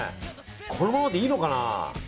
このままでいいのかなあ。